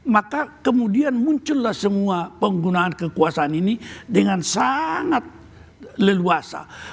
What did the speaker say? maka kemudian muncullah semua penggunaan kekuasaan ini dengan sangat leluasa